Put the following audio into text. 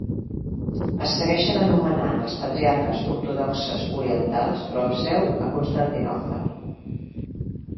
Es segueixen anomenant els patriarques ortodoxes orientals, però amb seu a Constantinoble.